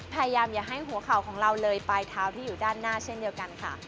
อย่าให้หัวเข่าของเราเลยปลายเท้าที่อยู่ด้านหน้าเช่นเดียวกันค่ะ